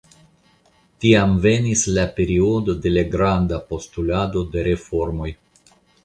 Tiam venis la periodo de la granda postulado de reformoj.